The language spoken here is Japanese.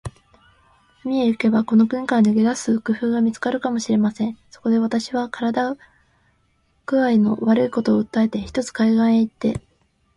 海へ行けば、この国から逃げ出す工夫が見つかるかもしれません。そこで、私は身体工合の悪いことを訴えて、ひとつ海岸へ行って